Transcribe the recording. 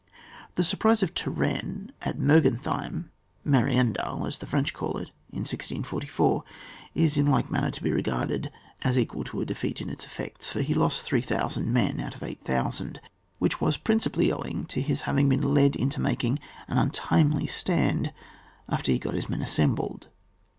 The surprise of Turenne at Mergen theim (Mariendal, as the French call it,; in 1644, is in like manner to be regarded as equal to a defeat in its effects, for he lost 8,000 men out of 8,000, which was principally owing to his having been led into making an untimely stand after he got his men assembled.